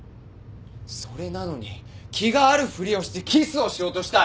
それなのに気があるふりをしてキスをしようとした。